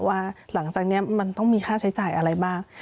ว่าหลังจากนี้มันต้องมีค่าใช้จ่ายอะไรบ้าง